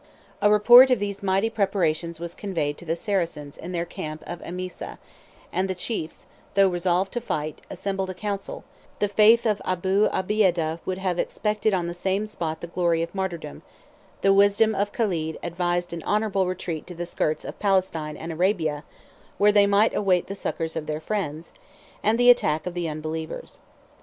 73 A report of these mighty preparations was conveyed to the Saracens in their camp of Emesa, and the chiefs, though resolved to fight, assembled a council: the faith of Abu Obeidah would have expected on the same spot the glory of martyrdom; the wisdom of Caled advised an honorable retreat to the skirts of Palestine and Arabia, where they might await the succors of their friends, and the attack of the unbelievers.